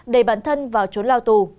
đẩy bản thân vào trốn lao tù